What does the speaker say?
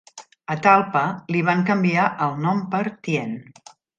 A Talpa li van canviar el nom per Tien.